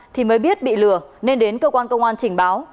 thì mới biết bị lừa nên đến cơ quan công an trình báo